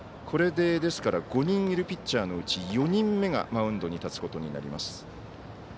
これで５人いるピッチャーのうち４人目がマウンドに立つことになります。